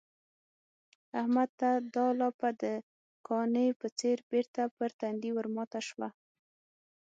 احمد ته دا لاپه د کاني په څېر بېرته پر تندي ورماته شوه.